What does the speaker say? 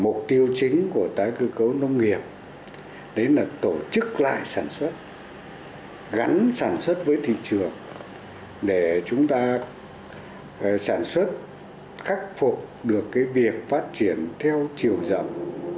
mục tiêu chính của tái cơ cấu nông nghiệp đấy là tổ chức lại sản xuất gắn sản xuất với thị trường để chúng ta sản xuất khắc phục được việc phát triển theo chiều rộng